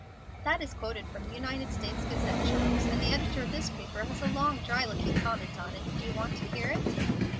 "That is quoted from the United States Gazette, Charles, and the editor of this paper has a long, dry looking comment on it. Do you want to hear it?"